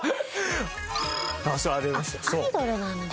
あっアイドルなんだ。